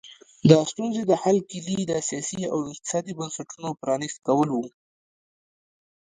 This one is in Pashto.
د ستونزې د حل کیلي د سیاسي او اقتصادي بنسټونو پرانیست کول وو.